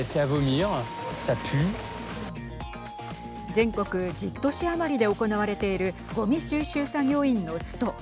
全国１０都市余りで行われているごみ収集作業員のスト。